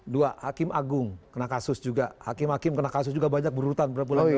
dua hakim agung kena kasus juga hakim hakim kena kasus juga banyak berurutan